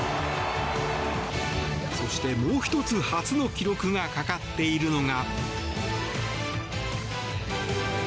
そして、もう１つ初の記録がかかっているのが。